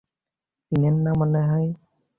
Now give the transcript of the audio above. চিনেন না মনে হয়?